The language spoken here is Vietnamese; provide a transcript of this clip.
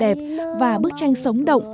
trên tuyệt đẹp và bức tranh sống động